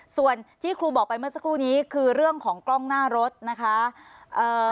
ส่วนที่ครูบอกไปเมื่อสักครู่นี้คือเรื่องของกล้องหน้ารถนะคะเอ่อ